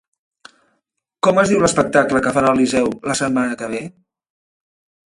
Com es diu l'espectacle que fan al Liceu la setmana que ve?